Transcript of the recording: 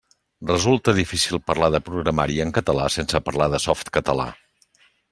Resulta difícil parlar de programari en català sense parlar de Softcatalà.